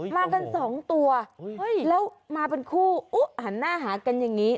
มากันสองตัวแล้วมาเป็นคู่อุ๊หันหน้าหากันอย่างนี้